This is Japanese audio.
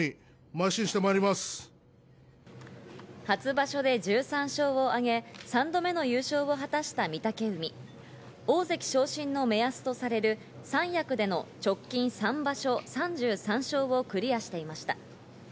初場所で１３勝をあげ、３度目の優勝を果たした御嶽海。大関昇進の目安とされる三役での直近３場所３３勝をクリアしていました。